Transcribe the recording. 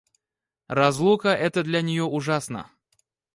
Разлука эта для нее ужасна.